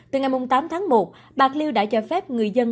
từ ngày tám tháng một bạc liêu đã cho phép người dân